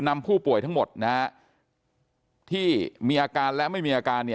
นำผู้ป่วยทั้งหมดที่มีอาการและไม่มีอาการ